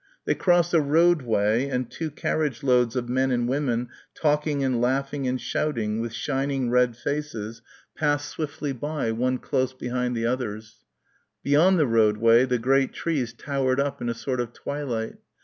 They crossed a roadway and two carriage loads of men and women talking and laughing and shouting with shining red faces passed swiftly by, one close behind the other. Beyond the roadway the great trees towered up in a sort of twilight.